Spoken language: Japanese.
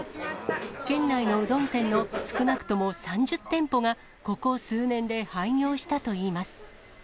県内のうどん店の、少なくとも３０店舗が、ここ数年で廃業したといいます。